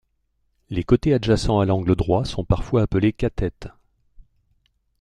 Les côtés adjacents à l'angle droit sont parfois appelés cathètes.